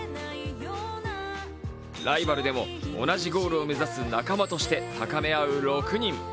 ライバルでも、同じゴールを目指す仲間として高め合う６人。